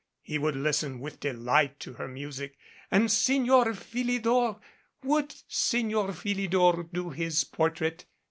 He would lis ten with delight to her music. And Signor Philidor would Signor Philidor do his portrait?